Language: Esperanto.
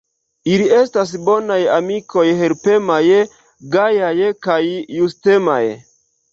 Ili estas bonaj amikoj, helpemaj, gajaj kaj justemaj.